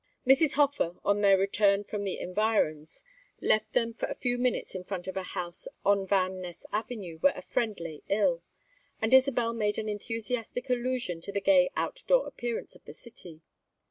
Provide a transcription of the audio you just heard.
Mrs. Hofer, on their return from the environs, left them for a few moments in front of a house on Van Ness Avenue where a friend lay ill, and Isabel made an enthusiastic allusion to the gay out door appearance of the city.